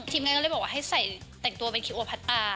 งานก็เลยบอกว่าให้ใส่แต่งตัวเป็นคิโอพัดตา